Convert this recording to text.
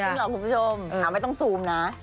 จริงเหรอคุณผู้ชมอ้าวไม่ต้องซูมนะ